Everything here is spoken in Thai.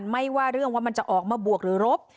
ไม่ว่าเรื่องว่ามันจะออกมาบวกหรือรบ